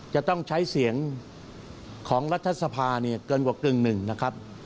จะต้องใช้เสียงของรัฐสภาเนี่ยเกินกว่ากึ่งหนึ่งนะครับ